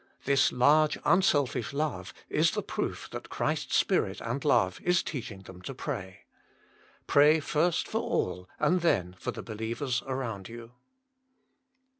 This large, unselfish love is the proof that Christ s Spirit and Love is teaching them to pray. Pray first for all ana then for the believers around you.